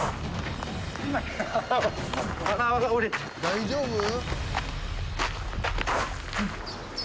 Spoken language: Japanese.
大丈夫？